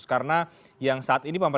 karena yang saat ini pak pak